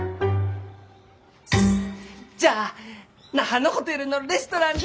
じゃあ那覇のホテルのレストランで。